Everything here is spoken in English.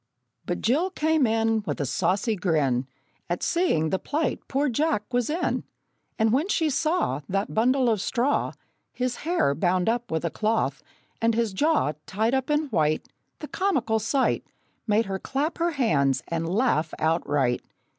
But Jill came in, With a saucy grin At seeing the plight poor Jack was in; And when she saw That bundle of straw (His hair) bound up with a cloth, and his jaw Tied up in white, The comical sight Made her clap her hands and laugh outright!